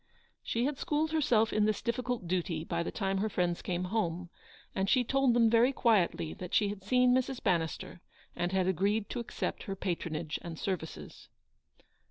She had schooled herself in this difficult duty by the time her friends came home, and she told them very quietly that she had seen Mrs. Bannis ter, and had agreed to accept her patronage and services.